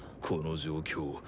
この状況